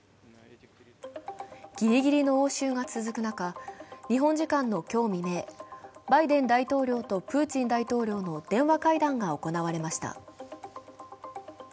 ギリギリの応酬が続く中、日本時間の今日未明、バイデン大統領とプーチン大統領の電話会談が行われました。